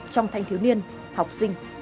trong thanh thiếu niên học sinh